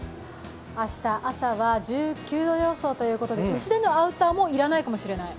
明日朝は１９度予想ということで薄手のアウターも要らないかもしれない。